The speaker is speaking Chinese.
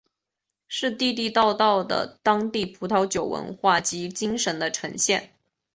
是地地道道的当地葡萄酒文化及精神的呈现。